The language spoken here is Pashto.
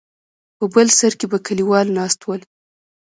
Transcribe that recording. په بل سر کې به کليوال ناست ول.